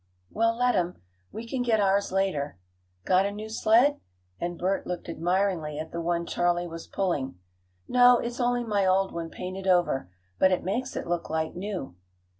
"Well, let 'em. We can get ours later. Got a new sled?" and Bert looked admiringly at the one Charley was pulling. "No, it's only my old one painted over. But it makes it look like new."